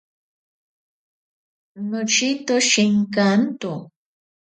Noshinto shenkanto.